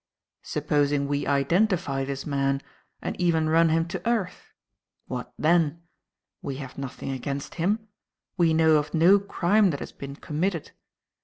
Supposing we identify this man and even run him to earth? What then? We have nothing against him. We know of no crime that has been committed.